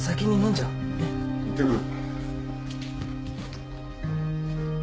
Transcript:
行ってくる。